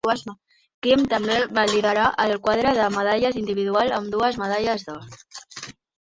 Kim també va liderar el quadre de medalles individuals amb dues medalles d'or.